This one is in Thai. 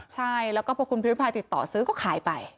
ใช่แล้วก็พอคุณพิริพายติดต่อซื้อก็ขายไป